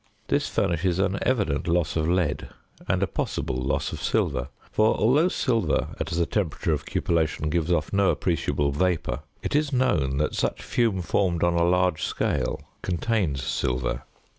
This furnishes an evident loss of lead and a possible loss of silver; for although silver at the temperature of cupellation gives off no appreciable vapour, it is known that such fume formed on a large scale contains silver.